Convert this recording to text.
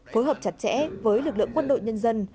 phối hợp chặt chẽ với lực lượng quân đội nhân dân